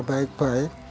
terus ini namanya susah